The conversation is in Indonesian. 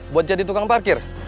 buat jadi tukang parkir